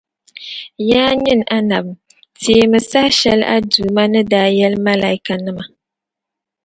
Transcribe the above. Yaa nyini Annabi! Teemi saha shεli a Duuma ni daa yεli Malaaikanima.